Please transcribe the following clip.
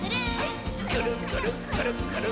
「くるっくるくるっくる」